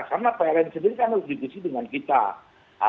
karena prm sendiri kan harus dipisih dengan kita